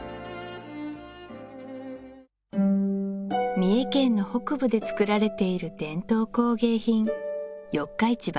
三重県の北部で作られている伝統工芸品四日市萬